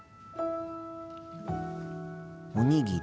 おにぎり。